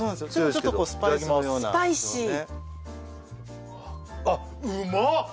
ちょっとスパイスのようなねあっうまっ！